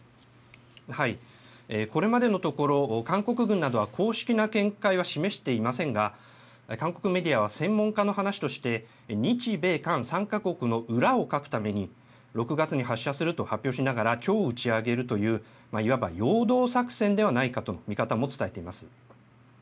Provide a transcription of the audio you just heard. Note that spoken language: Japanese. これまでのところ、韓国軍などは公式な見解は示していませんが、韓国メディアは専門家の話として、日米韓３か国の裏をかくために、６月に発射すると発表しながら、きょう打ち上げるという、いわば陽動作戦ではないかとの見方も伝えています。